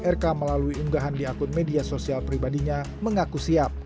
rk melalui unggahan di akun media sosial pribadinya mengaku siap